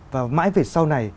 và mãi về sau này